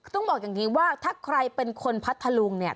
ต้องบอกอย่างนี้ว่าถ้าใครเป็นคนพัทธลุงเนี่ย